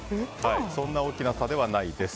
そんな大きな差ではないです。